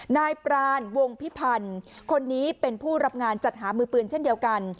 นายปรานวงพิพันธ์คนนี้เป็นผู้รับงานจัดหามือปืนเช่นเดียวกัน